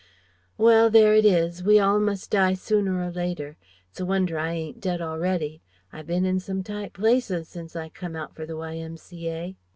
"Well! There it is! We must all die sooner or later. It's a wonder I ain't dead already. I've bin in some tight places since I come out for the Y.M.C.A....